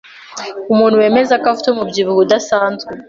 Umuntu bemeza ko afite umubyibuho udasanzwe